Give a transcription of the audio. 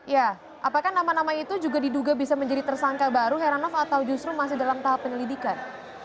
ya apakah nama nama itu juga diduga bisa menjadi tersangka baru heranov atau justru masih dalam tahap penyelidikan